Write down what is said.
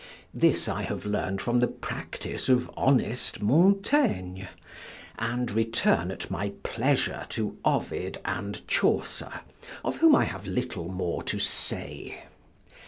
This I have learn'd from the practice of honest Montaigne, and return at my pleasure to Ovid and Chaucer, of whom I have little more to say.